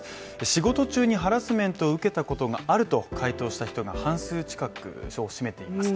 仕事中にハラスメントを受けたことがあると回答した人が半数近くを占めています